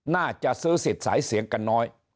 น่าจะซื้อสิทธิ์สายเสียงกันน้อย